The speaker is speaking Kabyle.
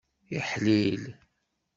Iḥlil.